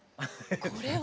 これは。